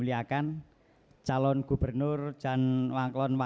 tidak ada yang tidak siapkan